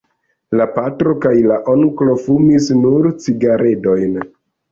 La patro kaj la onklo fumis nur cigaredojn.